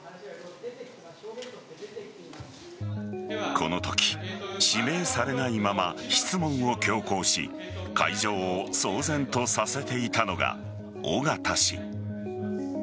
このとき、指名されないまま質問を強行し会場を騒然とさせていたのが尾形氏。